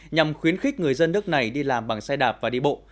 nhằm khuyến khích người dân nước này đi làm bằng xe đạp và đi bộ